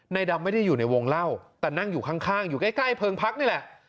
ดำไม่ได้อยู่ในวงเล่าแต่นั่งอยู่ข้างอยู่ใกล้เพิงพักนี่แหละ